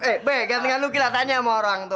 hei eh eh eh be gantengan lu gila tanya sama orang tuh